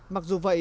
mặc dù vậy